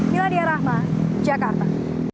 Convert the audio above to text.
miladya rahma jakarta